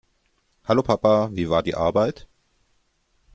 Hallo, Papa. Wie war die Arbeit?